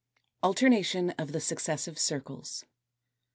] 242. =Alternation of the successive Circles.